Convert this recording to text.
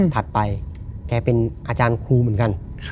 ถัดไปแกเป็นอาจารย์ครูเหมือนกัน